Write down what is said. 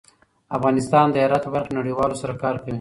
افغانستان د هرات په برخه کې نړیوالو سره کار کوي.